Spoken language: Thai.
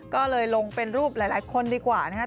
ก็เลยลงเป็นรูปหลายคนดีกว่านะครับ